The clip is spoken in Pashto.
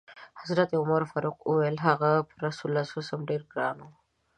حضرت عمر فاروق وویل: هغه پر رسول الله ډېر ګران و.